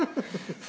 そ